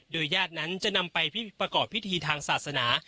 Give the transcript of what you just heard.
ญาตินั้นจะนำไปประกอบพิธีทางศาสนา